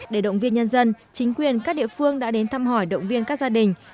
để động viên nhân dân chính quyền các địa phương đã đến thăm hỏi động viên các gia đình